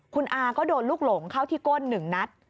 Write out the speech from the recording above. คุณอาก็โดนลูกหลงเข้าที่ก้น๑นัด